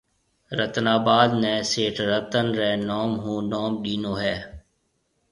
رتن آباد نيَ سيٺ رتن رَي نوم ھون نوم ڏينو ھيََََ